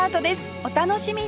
お楽しみに